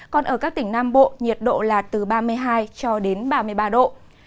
còn ở các tỉnh nam bộ nhiệt độ là từ ba mươi hai cho đến ba mươi ba độ